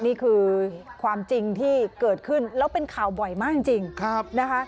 นี่คือความจริงที่เกิดขึ้นแล้วเป็นข่าวบ่อยมากจริงนะคะ